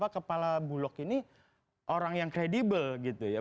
kepala bulog ini orang yang kredibel gitu ya